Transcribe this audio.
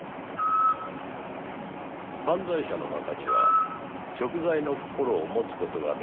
「犯罪者の中には贖罪の心を持つ事ができない者がいる」。